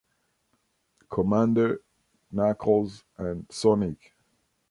Commander, Knuckles, and Sonic.